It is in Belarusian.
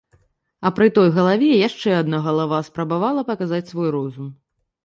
А пры той галаве яшчэ адна галава спрабавала паказаць свой розум.